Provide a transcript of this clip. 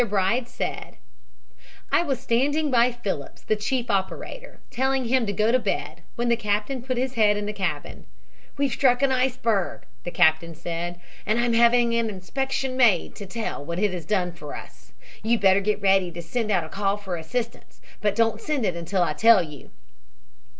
Bride said: "I was standing by Phillips, the chief operator, telling him to go to bed, when the captain put his head in the cabin. "'We've struck an iceberg,' the captain said, 'and I'm having an inspection made to tell what it has done for us. You better get ready to send out a call for assistance. But don't send it until I tell you.'